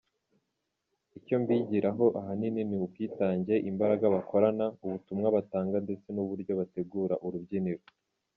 Icyo mbigiraho ahanini ni ubwitange, imbaraga bakorana, ubutumwa batanga ndetse n’uburyo bategura urubyiniro.